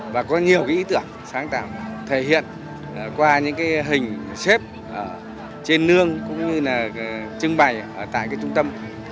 và có nhiều ý tưởng sáng tạo thể hiện qua những hình xếp trên nương cũng như là trưng bày ở tại trung tâm